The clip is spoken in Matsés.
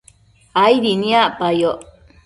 aidi niacpayoc